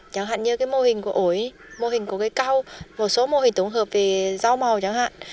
chẳng hạn như mô hình của ổi mô hình của cây cao một số mô hình tổng hợp về rau màu chẳng hạn